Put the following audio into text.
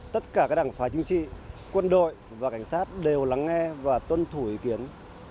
tất cả các đảng phái chính trị quân đội và cảnh sát đều lắng nghe và tuân thủ ý kiến